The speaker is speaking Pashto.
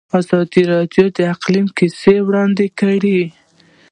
ازادي راډیو د اقلیم کیسې وړاندې کړي.